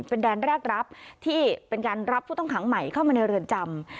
เป็นแดนแรกรับที่เป็นการรับผู้ต้องขังใหม่เข้ามาในเรือนจำ